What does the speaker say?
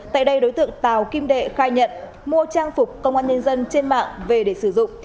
tại đây đối tượng tào kim đệ khai nhận mua trang phục công an nhân dân trên mạng về để sử dụng